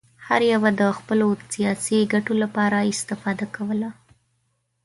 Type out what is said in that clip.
هر یوه د خپلو سیاسي ګټو لپاره استفاده کوله.